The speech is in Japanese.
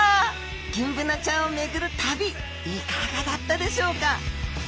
ギンブナちゃんを巡る旅いかがだったでしょうか？